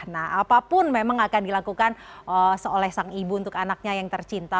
nah apapun memang akan dilakukan seolah sang ibu untuk anaknya yang tercinta